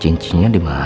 cincinnya di mana ya